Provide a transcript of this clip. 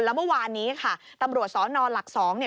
แล้วเมื่อวานนี้ค่ะตำรวจสนหลัก๒